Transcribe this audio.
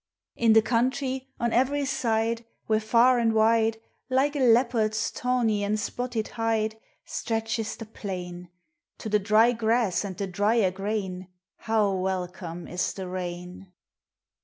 In the country, on every side, Where far and wide, Like a leopard's tawny and spotted hide, Stretches Hie plain, To the dry grass and the drier grain How welcome is the rain